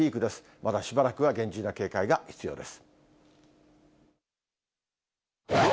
まだしばらくは厳重な警戒が必要です。